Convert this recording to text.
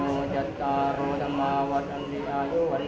ทุติยังปิตพุทธธาเป็นที่พึ่ง